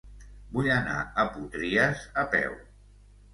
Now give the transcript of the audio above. Vull anar a Potries a peu.